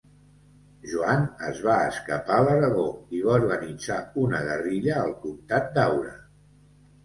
Joan es va escapar a l'Aragó i va organitzar una guerrilla al Comtat d'Aura.